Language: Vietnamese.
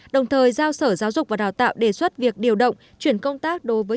đồng thời giao sở giáo dục và đào tạo đề xuất việc điều động chuyển công tác đối với